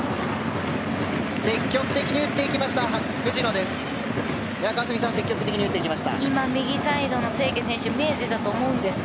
積極的に打っていきました藤野です。